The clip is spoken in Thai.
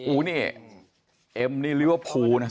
อู้เนี่ยเอ็มนี่เรียกว่าผูนะ